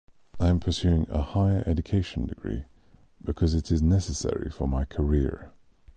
I am pursuing a higher education degree because it is necessary for my career.